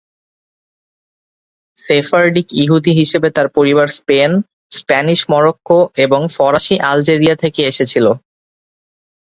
Sephardic ইহুদি হিসেবে তার পরিবার স্পেন, স্প্যানিশ মরোক্কো এবং ফরাসি আলজেরিয়া থেকে এসেছিল।